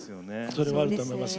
それもあると思います